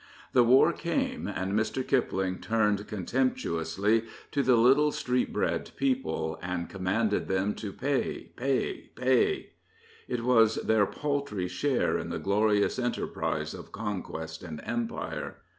The war came, and Mr. Kipling turned con temptuously to the " little street bred people," and commanded them to " Pay, pay, pay." It was their pjiJLtry share in the glorious enterprise of conquest and Empire.